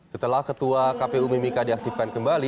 setelah ketua kpu mimika diaktifkan kembali